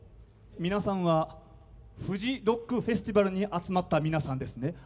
皆さんはフジロックフェスティバルに集まった皆さんですね。